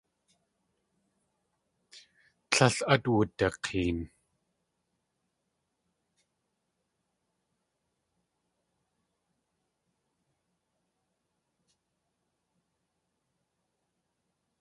Tlél át wudak̲een.